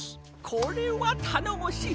これはたのもしい！